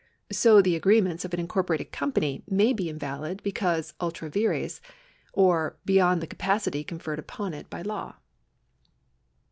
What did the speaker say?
So the agreements of an incorporated company may be invalid because ultra vires, or beyond the capacity conferred upon it by law.